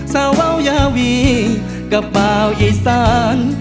สว่าวยาวีกระเป๋าอีสาน